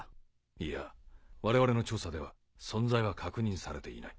いや我々の調査では存在は確認されていない。